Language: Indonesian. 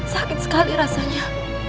sakit sekali rasanya